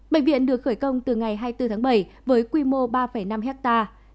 bệnh viện được khởi công từ ngày hai mươi bốn tháng bảy với quy mô ba năm hectare